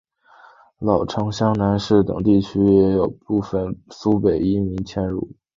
老城厢南市等区域也有部分苏北移民迁入。